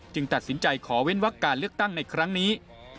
ตัดสินใจขอเว้นวักการเลือกตั้งในครั้งนี้